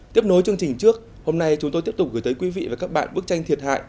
tiếp nối chương trình trước hôm nay chúng tôi tiếp tục gửi tới quý vị và các bạn bức tranh thiệt hại